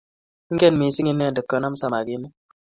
ingen missing inendet konaam samaginik